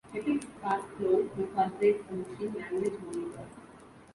Epyx Fast Load incorporates a machine language monitor.